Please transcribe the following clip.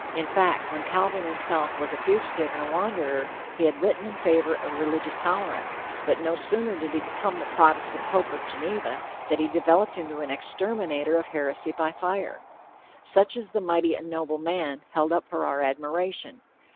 In fact, when Calvin himself was a fugitive and a wanderer, he had written in favor of religious tolerance, but no sooner did he become the Protestant pope of Geneva, than he developed into an exterminator of heresy by fire. Such is the "mighty and noble man" held up for our admiration.